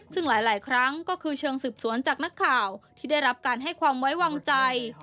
ซึ่งหลายครั้งก็คือเชิงสืบสวนจากนักข่าวที่ได้รับการให้ความไว้วางใจ